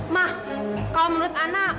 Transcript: ma kalau menurut ana